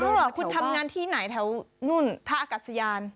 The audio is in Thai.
เหรอคุณทำงานที่ไหนแถวนู่นท่าอากาศยาน